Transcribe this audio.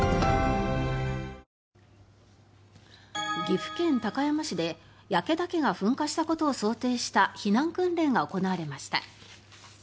岐阜県高山市で焼岳が噴火したことを想定した避難訓練が行われました。